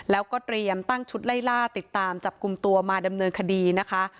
แล้วก็เตรียมตั้งชุดไล่ล่าติดตามจับกลุ่มตัวมาดำเนินคดีนะคะ